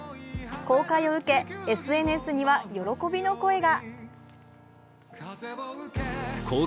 公開を受け、ＳＮＳには喜びの声が。